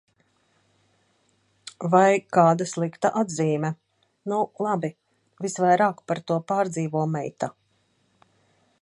Vai kāda slikta atzīme. Nu, labi. Visvairāk par to pārdzīvo meita.